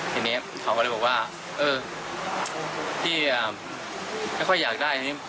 ทีนี้เขาก็เลยบอกพี่ซักไม่ค่อยอยากได้